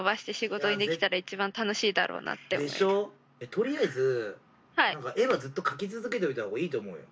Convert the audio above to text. とりあえず絵はずっと描き続けた方がいいと思うよ。